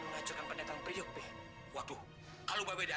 anda orangnya bisa menyembuhkan dia